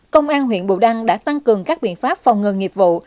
công an huyện bù đăng đã tăng cường các biện pháp phòng ngừa nghiệp vụ